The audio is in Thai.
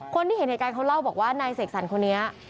คนที่เห็นเหตุการณ์เขาเล่าบอกว่านายเสกสรรคนนี้